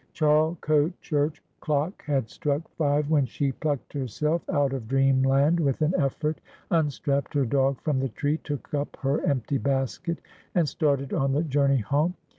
Charlecote church clock had struck five when she plucked herself out of dreamland with an effort, unstrapped her dog from the tree, took up her empty basket, and started on the journey home.